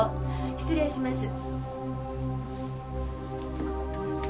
失礼します。